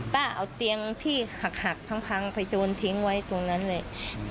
เอาเตียงที่หักพังไปโยนทิ้งไว้ตรงนั้นเลย